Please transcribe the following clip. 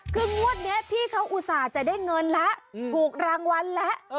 คืองวดนี้พี่เขาอุตส่าห์จะได้เงินแล้วถูกรางวัลแล้ว